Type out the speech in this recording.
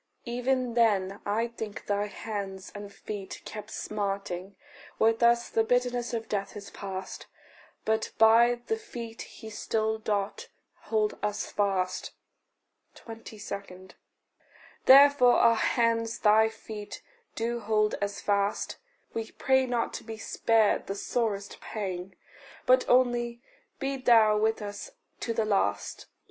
Even then, I think, thy hands and feet kept smarting: With us the bitterness of death is past, But by the feet he still doth hold us fast. 22. Therefore our hands thy feet do hold as fast. We pray not to be spared the sorest pang, But only be thou with us to the last.